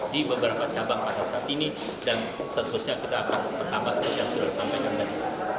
di beberapa cabang pada saat ini dan seterusnya kita akan bertambah seperti yang sudah disampaikan tadi